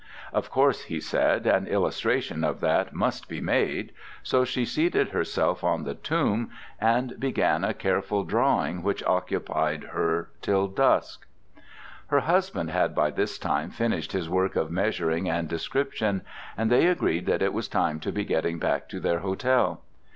Of course, he said, an illustration of that must be made; so she seated herself on the tomb and began a careful drawing which occupied her till dusk. Her husband had by this time finished his work of measuring and description, and they agreed that it was time to be getting back to their hotel.